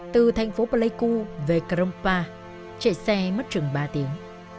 từ thành phố pleiku về crompa chạy xe mất chừng ba tiếng